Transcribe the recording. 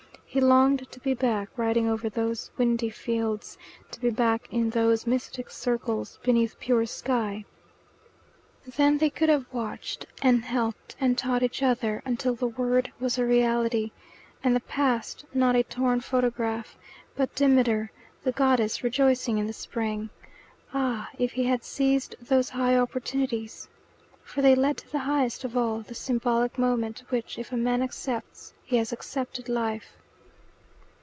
He longed to be back riding over those windy fields, to be back in those mystic circles, beneath pure sky. Then they could have watched and helped and taught each other, until the word was a reality, and the past not a torn photograph, but Demeter the goddess rejoicing in the spring. Ah, if he had seized those high opportunities! For they led to the highest of all, the symbolic moment, which, if a man accepts, he has accepted life.